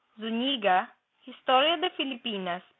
(Zuniga, Historia de Filipinos, p.